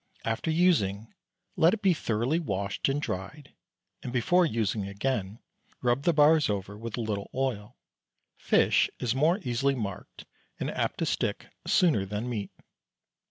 After using, let it be thoroughly washed and dried, and before using again rub the bars over with a little oil; fish is more easily marked, and apt to stick sooner than meat.